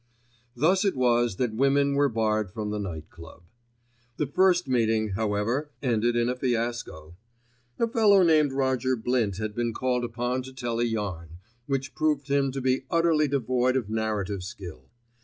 Thus it was that women were barred from the Night Club. The first meeting, however, ended in a fiasco. A fellow named Roger Blint had been called upon to tell a yarn, which proved him to be utterly devoid of narrative skill.